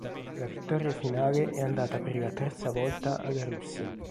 La vittoria finale è andata per la terza volta alla Russia.